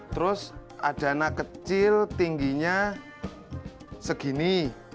terus ada anak kecil tingginya segini